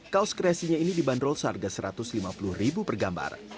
kaos kreasinya ini dibanderol seharga satu ratus lima puluh ribu pergambar